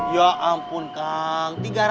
ya ampun kang